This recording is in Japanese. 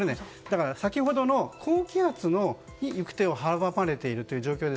先ほどの高気圧に行く手を阻まれている状況。